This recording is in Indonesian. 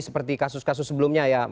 seperti kasus kasus sebelumnya ya